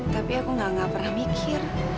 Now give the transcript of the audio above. tapi aku gak pernah mikir